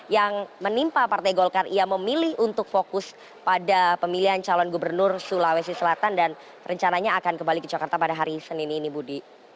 yang menimpa partai golkar ia memilih untuk fokus pada pemilihan calon gubernur sulawesi selatan dan rencananya akan kembali ke jakarta pada hari senin ini budi